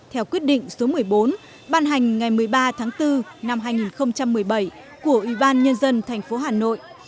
theo quyết định số một mươi bốn ban hành ngày một mươi ba tháng bốn năm hai nghìn một mươi bảy của ủy ban nhân dân tp hà nội